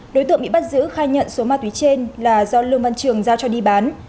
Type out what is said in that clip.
đối tượng bị bắt giữ khai nhận số ma túy trên là do lương văn trường giao cho đi bán